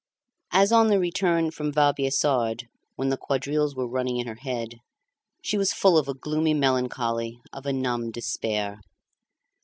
As on the return from Vaubyessard, when the quadrilles were running in her head, she was full of a gloomy melancholy, of a numb despair.